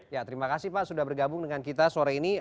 ya terima kasih pak sudah bergabung dengan kita sore ini